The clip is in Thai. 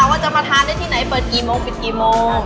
ว่าจะมาทานได้ที่ไหนเปิดกี่โมงปิดกี่โมง